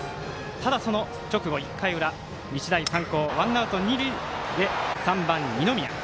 ただ、その直後１回裏、日大三高ワンアウト、二塁で３番、二宮。